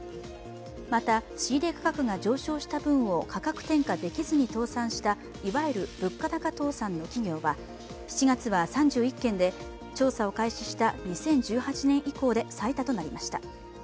また仕入れ価格が上昇した分を価格転嫁できずに倒産したいわゆる物価高倒産の企業は７月は３１件で調査を開始した２０１８年以降で最多となりました。